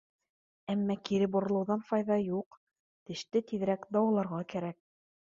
Әммә кире боролоуҙан файҙа юҡ, теште тиҙерәк дауаларға кәрәк.